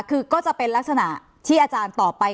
คือก็จะเป็นลักษณะที่อาจารย์ตอบไป